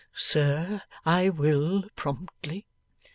'Sir, I will, promptly.